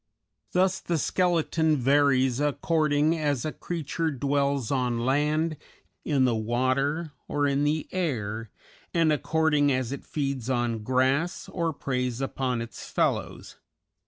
Thus the skeleton varies according as a creature dwells on land, in the water, or in the air, and according as it feeds on grass or preys upon its fellows.